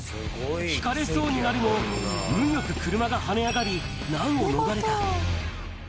ひかれそうになるも、運よく車が跳ね上がり、難を逃れた。